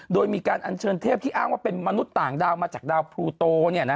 โดยมีการอัญเชิญเทพที่อ้างว่าเป็นมนุษย์ต่างดาวมาจากดาวพลูโต